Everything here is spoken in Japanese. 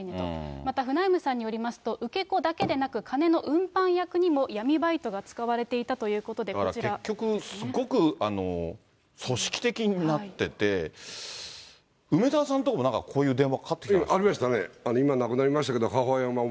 またフナイムさんによりますと、受け子だけでなく金の運搬役にも闇バイトが使われていたというこだから結局、すごく組織的になってて、梅沢さんのところもこういう電話かかってきた？